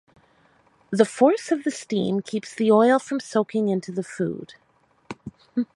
The force of the steam keeps the oil from soaking into the food.